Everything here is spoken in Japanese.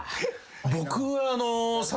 僕は。